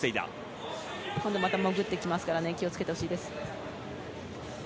また潜ってきますから気をつけてほしいです。